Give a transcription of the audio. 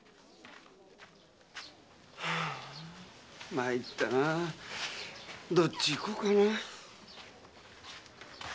まいったなぁどっちに行こうかなぁ。